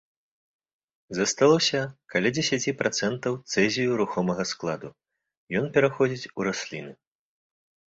Засталося каля дзесяці працэнтаў цэзію рухомага складу, ён пераходзіць у расліны.